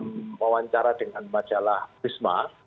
dalam wawancara dengan majalah pisma